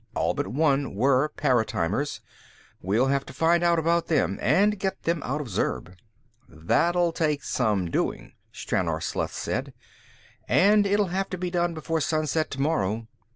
All but one were paratimers. We'll have to find out about them, and get them out of Zurb." "That'll take some doing," Stranor Sleth said. "And it'll have to be done before sunset tomorrow.